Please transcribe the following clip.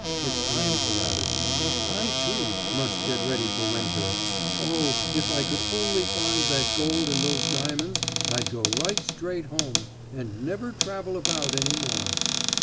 exclaimed the rabbit. "I, too, must get ready for winter. Oh, if I could only find that gold and those diamonds I'd go right straight home, and never travel about any more."